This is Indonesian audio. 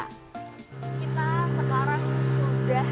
kita sekarang sudah